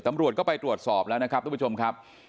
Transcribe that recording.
ตำรวจก็ไปตรวจสอบแล้วนะครับทุกผู้ชมครับ